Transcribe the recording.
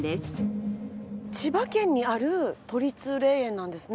千葉県にある都立霊園なんですね。